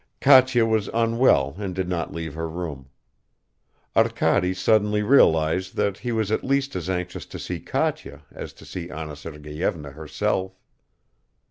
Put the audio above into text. Katya was unwell and did not leave her room. Arkady suddenly realized that he was at least as anxious to see Katya as to see Anna Sergeyevna herself.